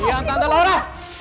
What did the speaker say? diam tante laura